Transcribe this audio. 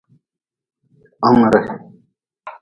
Hongre.